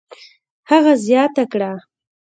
هغه زیاته کړه: